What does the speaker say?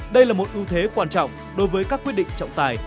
đây là một ưu thế quan trọng đối với các quyết định trọng tài